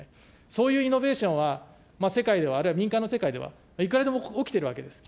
そういうイノベーションは、世界ではあるいは民間の世界では、いくらでも起きているわけです。